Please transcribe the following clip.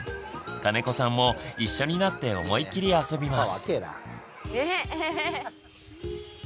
金子さんも一緒になって思い切り遊びます。